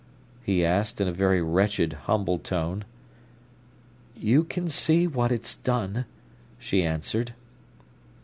he asked, in a very wretched, humble tone. "You can see what it's done," she answered.